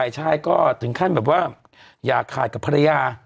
ชายก็ถึงขั้นแบบว่าอย่าขาดกับภรรยา